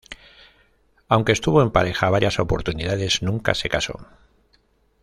Aunque estuvo en pareja varias oportunidades, nunca se casó.